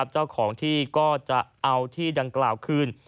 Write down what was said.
เจ้าของที่ก็จะเอาที่ดังกล่าวคืน